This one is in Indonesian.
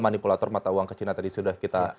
manipulator mata uang ke cina tadi sudah kita